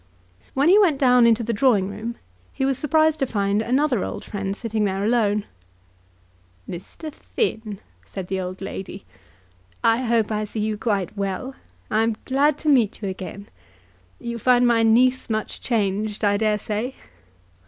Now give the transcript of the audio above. When he went down into the drawing room he was surprised to find another old friend sitting there alone. "Mr. Finn," said the old lady, "I hope I see you quite well. I am glad to meet you again. You find my niece much changed, I dare say?"